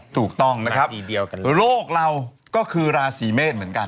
ถูกต้องนะครับโลกเราก็คือราศีเมษเหมือนกัน